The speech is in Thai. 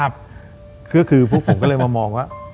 คือพวกผมก็เลยมามองว่า